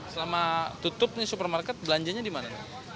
sama tutup nih supermarket belanjanya di mana